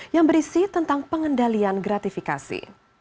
yang berisi tentang pengendalian gratifikasi